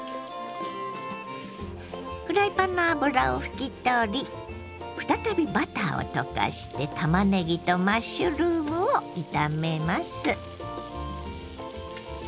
フライパンの油を拭き取り再びバターを溶かしてたまねぎとマッシュルームを炒めます。